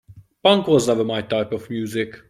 Punk was never my type of music.